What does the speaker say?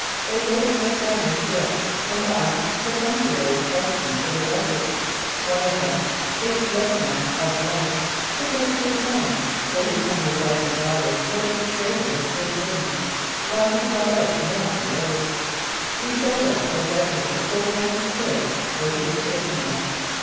They loaded us down with gifts and asked perfunctory questions for their records. One of them, H. Letema, of , took us to his home, where his comely wife and daughter loaded the table with good things; while he brought out more cigars. He showed us to a bed room before we understood where he was taking us.